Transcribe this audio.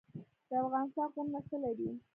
د افغانستان غرونه څه لري؟